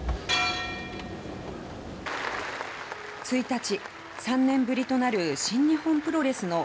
１日、３年ぶりとなる新日本プロレスの